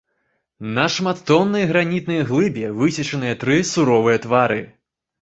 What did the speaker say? На шматтоннай гранітнай глыбе высечаныя тры суровыя твары.